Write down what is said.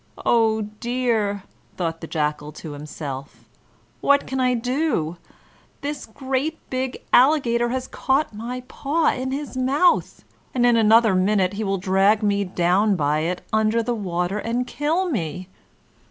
"Oh, dear!" thought the Jackal to himself, "what can I do? This great, big Alligator has caught my paw in his mouth, and in another minute he will drag me down by it under the water and kill me.